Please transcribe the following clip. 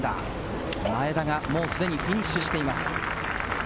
前田がすでにフィニッシュしています。